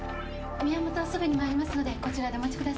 宮元はすぐに参りますのでこちらでお待ちください。